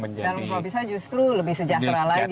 menjadi kalau bisa justru lebih sejahtera